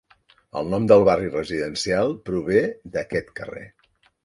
El nom del barri residencial prové d'aquest carrer.